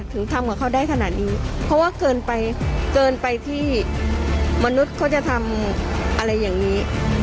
ถึงทำกับเขาได้ขนาดนี้เพราะว่าเกินไปเกินไปที่มนุษย์เขาจะทำอะไรอย่างนี้